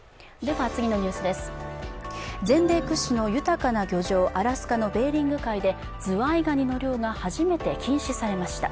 全米屈指の豊かな漁場ベーリング海でズワイガニの漁が初めて禁止されました。